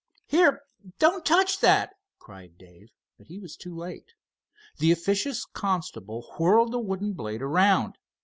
"Here, don't touch that!" cried Dave, but he was too late. The officious constable whirled the wooden blade around.